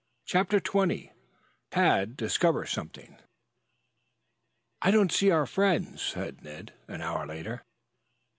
CHAPTER XX TAD DISCOVERS SOMETHING "I don't see our friends," said Ned, an hour later.